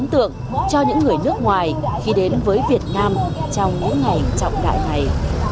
một ấn tượng cho những người nước ngoài khi đến với việt nam trong những ngày trọng đại này